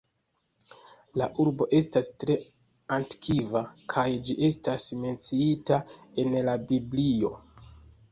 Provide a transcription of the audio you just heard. La urbo estas tre antikva, kaj ĝi estas menciita en la Biblio.